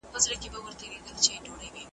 نن به د جنون زولنې ماتي کړو لیلا به سو `